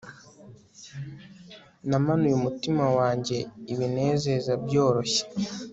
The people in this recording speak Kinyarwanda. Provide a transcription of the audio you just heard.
namanuye umutima wanjye ibinezeza byoroshye